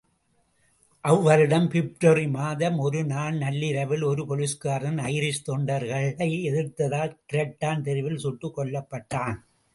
அவ்வருடம் பிப்ரவரி மாதம் ஒருநாள் நள்ளிரவில் ஒரு போலிஸ்காரன் ஐரிஷ் தொண்டர்களை எதிர்த்ததால் கிராட்டன் தெருவில் சுட்டுக்கொல்லப்படட்டான்.